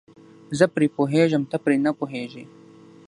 زه پرې پوهېږم ته پرې نه پوهیږې.